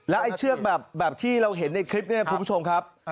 ไอ้เชือกแบบที่เราเห็นในคลิปนี้คุณผู้ชมครับ